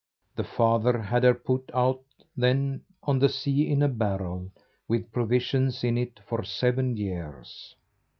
The father had her put out then on the sea in a barrel, with provisions in it for seven years.